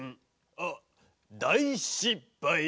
あだいしっぱい。